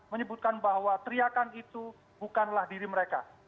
menyebutkan bahwa teriakan itu bukanlah diri mereka